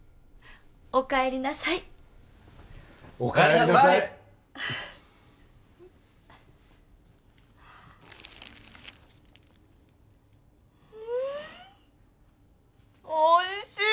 おかえりなさいおかえりなさいうんおいしい！